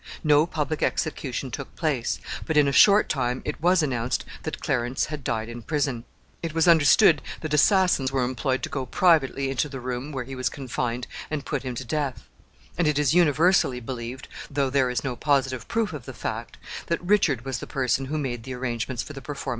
No public execution took place, but in a short time it was announced that Clarence had died in prison. It was understood that assassins were employed to go privately into the room where he was confined and put him to death; and it is universally believed, though there is no positive proof of the fact, that Richard was the person who made the arrangements for the performance of this deed.